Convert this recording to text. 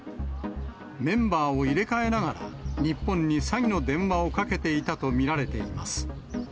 メンバーを入れ替えながら、日本に詐欺の電話をかけていたと見られています。